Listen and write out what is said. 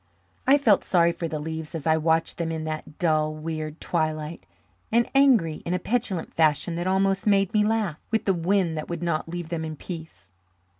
I felt sorry for the leaves as I watched them in that dull, weird twilight, and angry in a petulant fashion that almost made me laugh with the wind that would not leave them in peace.